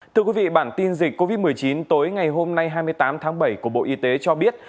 thưa quý vị bản tin dịch covid một mươi chín tối ngày hôm nay hai mươi tám tháng bảy của bộ y tế cho biết